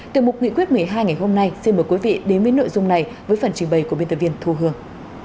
từ mục nghị quyết một mươi hai ngày hôm nay xin mời quý vị đến với nội dung này với phần trình bày của biên tập viên thu hương